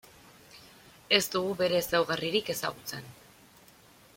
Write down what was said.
Ez dugu bere ezaugarririk ezagutzen.